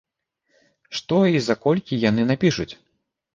Што і за колькі яны напішуць?